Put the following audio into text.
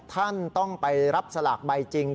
ท่านต้องไปรับสลากใบจริง